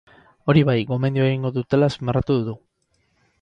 Hori bai, gomendioa egingo dutela azpimarratu du.